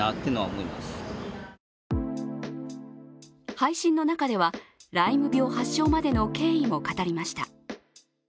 配信の中では、ライム病発症までの経緯も語りました。